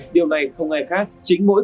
điều này không ai khác chính mỗi